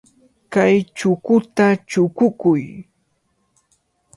Kay chukuta chukukuy.